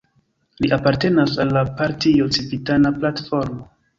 Li apartenas al la partio Civitana Platformo.